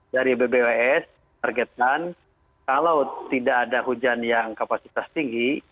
dari bbws targetkan kalau tidak ada hujan yang kapasitas tinggi